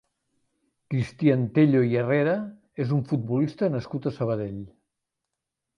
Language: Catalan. Cristian Tello i Herrera és un futbolista nascut a Sabadell.